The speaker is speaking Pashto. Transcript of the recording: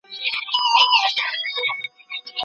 که ستور پېژندنه علم وي نو سیاست هم علم دی.